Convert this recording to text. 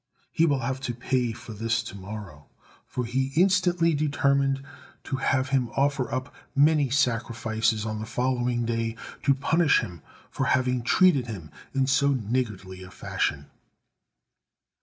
He will have to pay for this to morrow," for he instantly determined to have him offer up many sacrifices on the following day to punish him for having treated him in so niggardly a fashion.